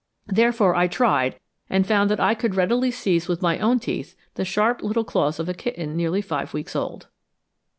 Therefore I tried, and found that I could readily seize with my own teeth the sharp little claws of a kitten nearly five weeks old.)